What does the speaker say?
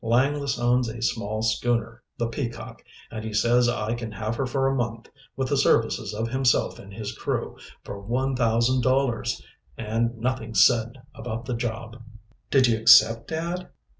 Langless owns a small schooner, the Peacock, and he says I can have her for a month, with the services of himself and his crew, for one thousand dollars and nothing said about the job." "Did you accept, dad?"